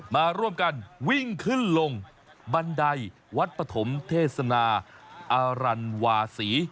มาร่วมกันวิ่งขึ้นลงบันไดวัดปฐมเทศนาอารันวาศี